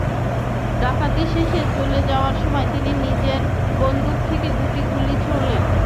ডাকাতি শেষে চলে যাওয়ার সময় তিনি নিজের বন্দুক থেকে দুটি গুলি ছোড়েন।